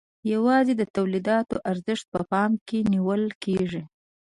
یوازې د تولیداتو ارزښت په پام کې نیول کیږي.